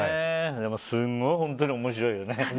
でも、すごい本当に面白いよね。